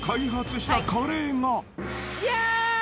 じゃーん。